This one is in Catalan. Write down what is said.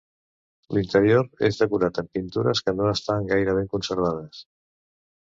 L'interior és decorat amb pintures, que no estan gaire ben conservades.